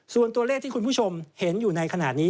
ส่วนตัวเลขที่คุณผู้ชมเห็นอยู่ในขณะนี้